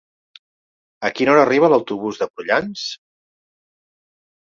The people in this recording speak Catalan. A quina hora arriba l'autobús de Prullans?